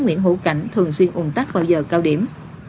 nguyễn hữu cảnh thường xuyên ồn tắc vào giờ cao điểm